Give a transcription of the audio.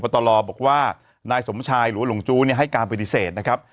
ก็ต้อนรอบอกว่านายสมชายหรือหลวงจู๊ให้การปฏิเสธนะครับ